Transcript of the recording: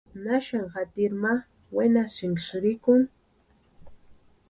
¿Naxani jatiri ma wenasïni sïrikuni?